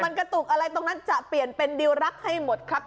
มันกระตุกอะไรตรงนั้นจะเปลี่ยนเป็นดิวรักให้หมดครับ